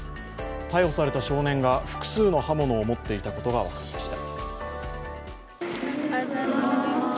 逮捕された少年が、複数の刃物を持っていたことが分かりました。